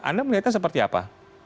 anda melihatnya seperti apa